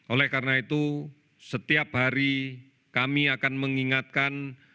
oleh karena itu setiap hari kami akan mengingatkan